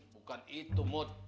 bukan itu mod